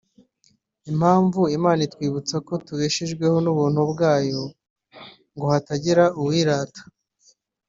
Impamvu Imana itwibutsa ko tubeshejweho n’ubuntu bwayo ngo hatagira n’uwirata